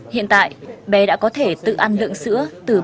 hiện tại bé đã có thể tự ăn lượng sữa từ ba mươi kg